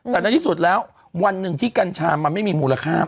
แต่ในที่สุดแล้ววันหนึ่งที่กัญชามันไม่มีมูลค่า